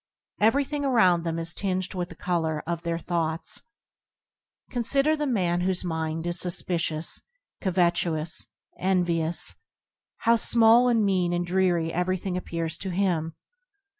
Everything around them is tinged with the colour of their thoughts. Consider the man whose mind is suspi cious, covetous, envious. How small and mean and drear everything appears to him.